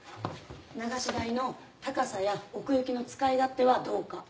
流し台の高さや奥行きの使い勝手はどうか。